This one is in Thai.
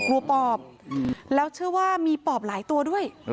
วัวปอบแล้วเชื่อว่ามีปอบหลายตัวด้วย